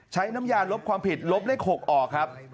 น้ำยาลบความผิดลบเลข๖ออกครับ